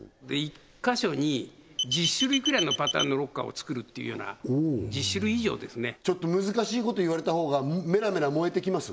１箇所に１０種類くらいのパターンのロッカーを作るっていうような１０種類以上ですねちょっと難しいこと言われたほうがメラメラ燃えてきます？